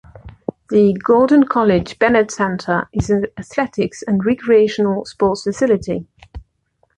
The Gordon College Bennett Center is a athletics and recreational sports facility.